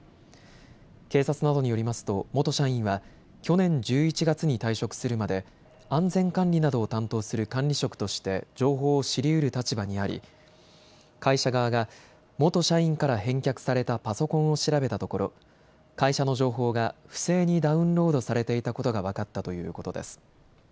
警察などによりますと元社員は去年１１月に退職するまで安全管理などを担当する管理職として情報を知りうる立場にあり会社側が元社員から返却されたパソコンを調べたところ、会社の情報が不正にダウンロードされていたことが分かったということです。